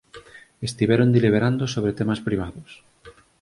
Estiveron deliberando sobre temas privados